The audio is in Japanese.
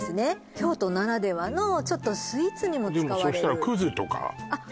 京都ならではのちょっとスイーツにも使われるあっ